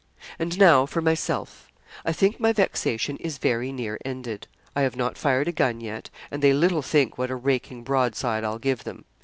And now for myself: I think my vexation is very near ended. I have not fired a gun yet, and they little think what a raking broadside I'll give them.